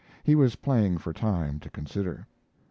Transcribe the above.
He was playing for time to consider.